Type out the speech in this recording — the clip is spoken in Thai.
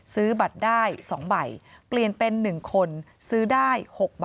ซื้อได้๖ใบ